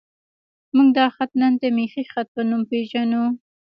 موږ دا خط نن د میخي خط په نوم پېژنو.